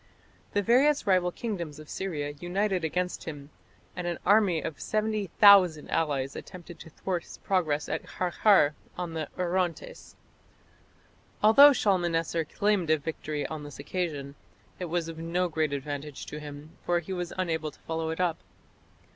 The various rival kingdoms of Syria united against him, and an army of 70,000 allies attempted to thwart his progress at Qarqar on the Orontes. Although Shalmaneser claimed a victory on this occasion, it was of no great advantage to him, for he was unable to follow it up.